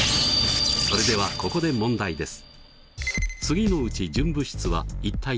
それではここで問題です。